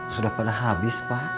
sudah pada habis pak